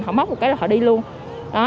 họ móc một cái là họ đi luôn